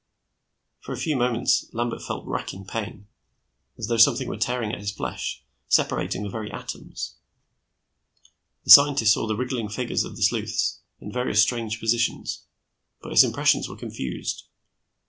For a few moments, Lambert felt racking pain, as though something were tearing at his flesh, separating the very atoms. The scientist saw the wriggling figures of the sleuths, in various strange positions, but his impressions were confused.